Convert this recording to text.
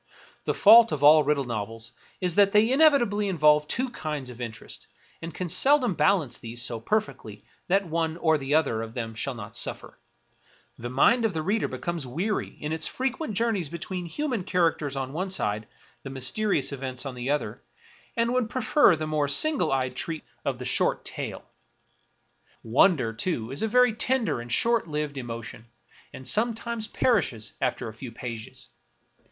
The fault of all riddle novels is that they inevitably involve two kinds of interest, and can sel dom balance these so perfectly that one or the other of them, shall not suffer, ^he mind of the reader becomes weary in its frequent journeys between human characters on one side the mysterious events on the other, and would prefer the more single eyed treatment of the short 17 American Mystery Stories tale. Wonder, too, Is a very tender and short lived emo tion, and sometimes perishes after a few pages.